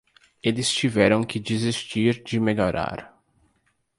Eles tiveram que desistir de melhorar.